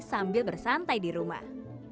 sambil bersantai di rumah